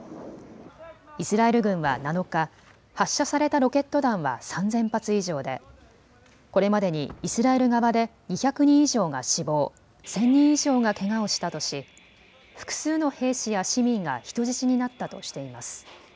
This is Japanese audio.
イスラエル軍は７日、発射されたロケット弾は３０００発以上でこれまでにイスラエル側で２００人以上が死亡、１０００人以上がけがをしたとし複数の兵士や市民が人質になったとしています。